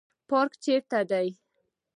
پارک چیرته دی؟